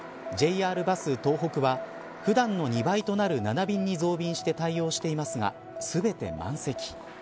ＪＲバス東北は普段の２倍となる７便に増便して対応していますが全て満席。